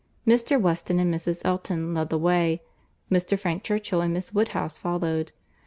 —Mr. Weston and Mrs. Elton led the way, Mr. Frank Churchill and Miss Woodhouse followed.